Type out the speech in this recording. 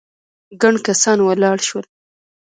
ګڼ کسان ولاړ شول.